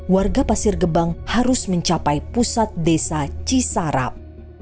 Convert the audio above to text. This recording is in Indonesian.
warga pasir gebang harus mencapai pusat desa cisarap